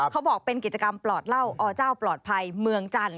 เขาบอกเป็นกิจกรรมปลอดเหล้าอเจ้าปลอดภัยเมืองจันทร์